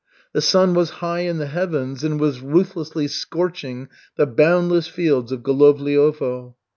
The sun was high in the heavens and was ruthlessly scorching the boundless fields of Golovliovo.